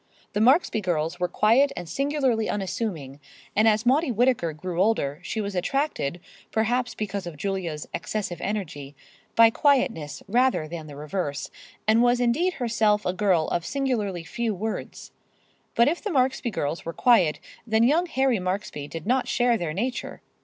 The Marksby girls were quiet and singularly unassuming, and as Maudie Whittaker grew older she was attracted, perhaps because of Julia's excessive energy, by quietness rather than the reverse, and was indeed herself a girl of singularly few words. But if the Marksby girls were quiet, then young Harry Marksby did not share their nature.